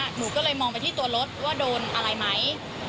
ป้าคนนั้นน่ะเขาก็เดินออกมาหาหนู